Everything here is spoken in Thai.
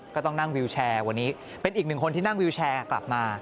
ก็ต้องนั่งวิวแชร์วันนี้เป็นอีกหนึ่งคนที่นั่งวิวแชร์กลับมา